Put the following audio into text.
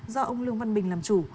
do ông lương văn bình làm chủ